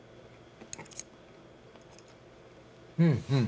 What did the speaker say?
うんうん。